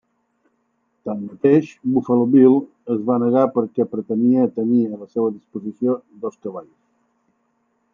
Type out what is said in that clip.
Tanmateix Buffalo Bill es va negar perquè pretenia tenir a la seva disposició dos cavalls.